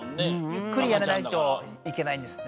ゆっくりやらないといけないんですね。